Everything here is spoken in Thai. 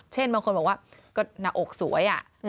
เช่นบางคนบอกว่าก็หน้าอกสวยอ่ะ